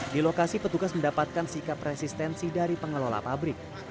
di lokasi petugas mendapatkan sikap resistensi dari pengelola pabrik